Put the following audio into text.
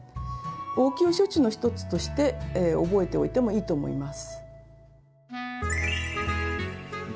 応急処置の１つとして覚えておいてもいいと思います。